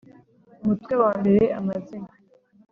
Umutwe wa mbere amazina